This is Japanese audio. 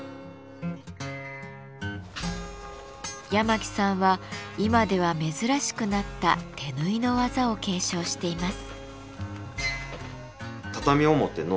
八巻さんは今では珍しくなった手縫いの技を継承しています。